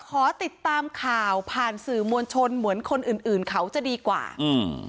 ขอติดตามข่าวผ่านสื่อมวลชนเหมือนคนอื่นอื่นเขาจะดีกว่าอืม